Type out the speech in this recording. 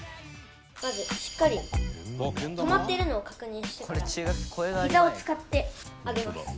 まずしっかり止まってるのを確認してからひざを使って上げます。